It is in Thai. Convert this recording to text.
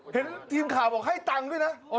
เห็นทีมข่าวบอกให้ตังค์ด้วยนะ